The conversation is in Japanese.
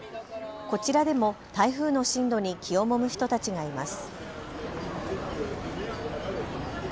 こちらでも台風の進路に気をもむ人たちがいます。